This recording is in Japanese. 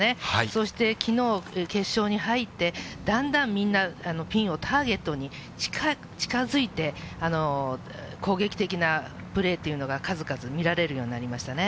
そして、きのう、決勝に入って、だんだんみんな、ピンをターゲットに近づいて、攻撃的なプレーというのが数々見られるようになりましたね。